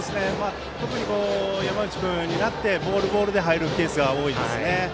特に山内君になってボール、ボールで入るケースが多いですね。